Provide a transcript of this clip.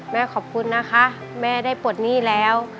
แม่ขอบคุณนะคะแม่ได้ปลดหนี้แล้ว